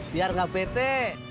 biar nggak bete